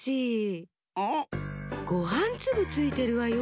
ごはんつぶついてるわよ。